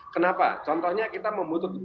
kenapa contohnya kita membutuhkan